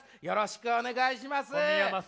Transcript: よろしくお願いします。